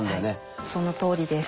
はいそのとおりです。